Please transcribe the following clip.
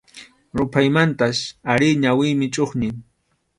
Ruphaymantach ari ñawiymi chʼuqñi.